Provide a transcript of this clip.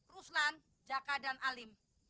ruslan jaka dan alim